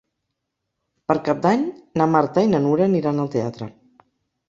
Per Cap d'Any na Marta i na Nura aniran al teatre.